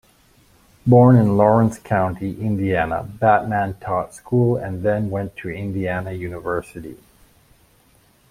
Born in Lawrence County, Indiana, Batman taught school and then went to Indiana University.